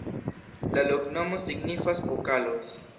La loknomo signifas: pokalo.